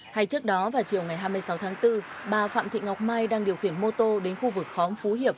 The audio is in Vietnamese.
hay trước đó vào chiều ngày hai mươi sáu tháng bốn bà phạm thị ngọc mai đang điều khiển mô tô đến khu vực khóm phú hiệp